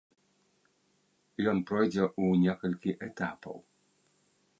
Ён пройдзе ў некалькі этапаў.